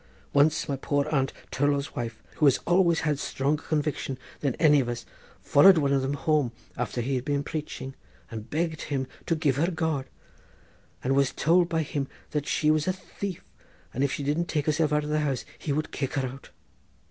Once my poor aunt, Tourlough's wife, who has always had stronger convictions than any of us, followed one of them home after he had been preaching, and begged him to give her God, and was told by him that she was a thief, and if she didn't take herself out of the house he would kick her out."